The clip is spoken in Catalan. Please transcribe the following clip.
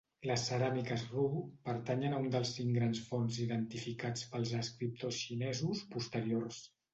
Les ceràmiques Ru pertanyen a un dels cinc grans forns identificats pels escriptors xinesos posteriors.